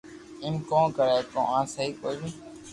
ايم ڪو ڪري ڪو آ سھي ڪوئي ني